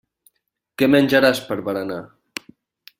Què menjaràs per berenar.